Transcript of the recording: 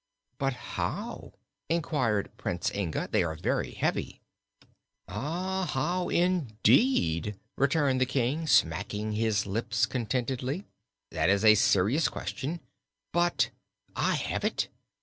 "But how?" inquired Prince Inga. "They are very heavy." "Ah, how, indeed?" returned the King, smacking his lips contentedly. "That is a serious question. But I have it!